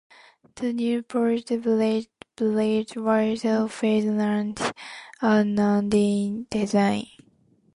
The Newport bridge was a Ferdinand Arnodin design.